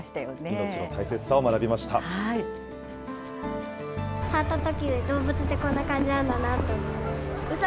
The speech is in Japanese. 命の大切さを学びました。